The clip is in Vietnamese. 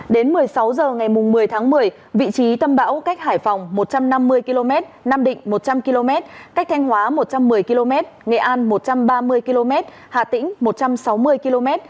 đến một mươi sáu h ngày một mươi tháng một mươi vị trí tâm bão cách hải phòng một trăm năm mươi km nam định một trăm linh km cách thanh hóa một trăm một mươi km nghệ an một trăm ba mươi km hà tĩnh một trăm sáu mươi km